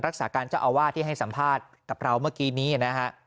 รักษาการเจ้าอาวาสที่ให้สัมภาษณ์กับเราเมื่อกี้นี้นะฮะ